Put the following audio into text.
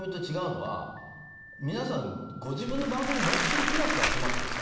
皆さんご自分の番組持ってるクラスが集まってるんですよ